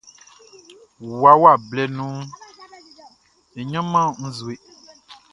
Wawa blɛ nunʼn, e ɲanman nʼzue.